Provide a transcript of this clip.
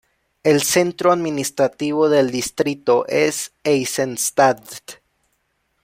El centro administrativo del distrito es Eisenstadt.